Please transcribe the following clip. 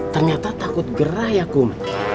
ternyata takut gerah ya kum